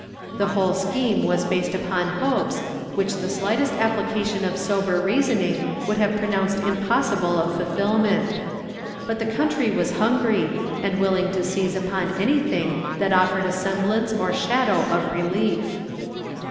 The whole scheme was based upon hopes, which the slightest application of sober reasoning would have pronounced impossible of fulfillment. But the country was hungry, and willing to seize upon anything that offered a semblance or shadow of relief.